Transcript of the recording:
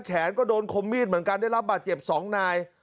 แขนก็โดนคมมีดเหมือนกันได้รับบาดเจ็บ๒นาย